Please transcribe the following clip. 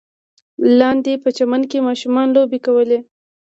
لاندې په چمن کې ماشومانو لوبې کولې.